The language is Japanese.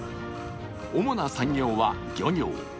主な産業は漁業。